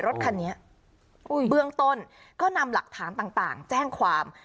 รถคันนี้เบื้องต้นก็นำหลักฐานต่างแจ้งความ